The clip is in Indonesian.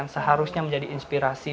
seharusnya menjadi inspirasi